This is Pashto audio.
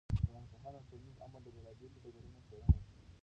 ټولنپوهنه د ټولنیز عمل د بېلا بېلو ډګرونو څېړنه ده.